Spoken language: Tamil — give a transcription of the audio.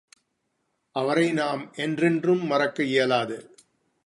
அவரை நாம் என்றென்றும் மறக்க இயலாது.